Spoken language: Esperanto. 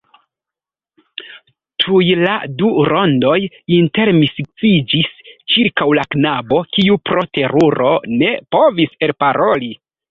Tuj la du rondoj intermiksiĝis ĉirkaŭ la knabo, kiu pro teruro ne povis elparoli.